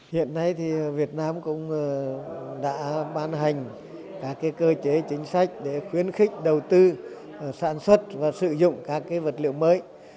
hiện nay thì việt nam cũng đã ban hành các cơ chế chính sách để khuyến khích đầu tư sản xuất và sử dụng các vật liệu mới